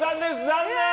残念！